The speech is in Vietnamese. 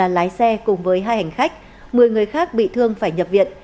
hai hành khách một mươi người khác bị thương phải nhập viện